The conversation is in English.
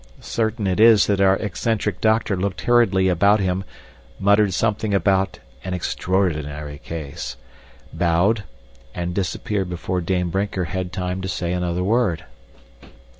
Certain it is that our eccentric doctor looked hurriedly about him, muttered something about "an extraordinary case," bowed, and disappeared before Dame Brinker had time to say another word.